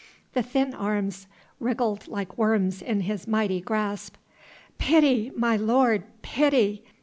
The thin arms wriggled like worms in his mighty grasp. "Pity, my lord! Pity!"